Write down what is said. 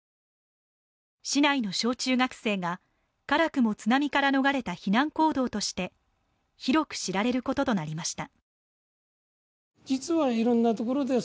市内の小中学生が辛くも津波から逃れた避難行動として広く知られることとなりました。